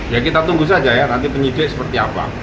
ya kita tunggu saja ya nanti penyidik seperti apa